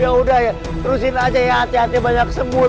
yaudah ya terusin aja ya hati hati banyak semut